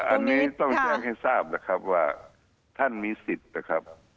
อันนี้ต้องแจ้งให้ทราบนะครับว่าท่านมีสิทธิ์นะครับ